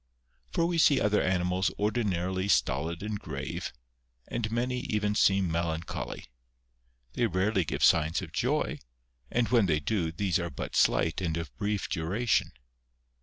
For we see other animals ordinarily stolid and grave, and many even seem melancholy. They rarely give signs of joy, and when they do, these are but slight and of brief duration.